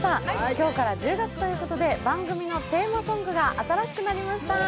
今日から１０月ということで番組のテーマソングが新しくなりました。